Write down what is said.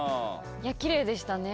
きれいでしたね。